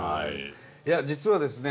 いや実はですね